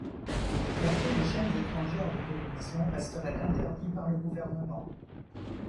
Capter les chaînes étrangères de télévision resterait interdit par le gouvernement.